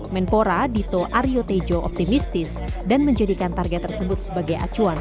menpora dito aryo tejo optimistis dan menjadikan target tersebut sebagai acuan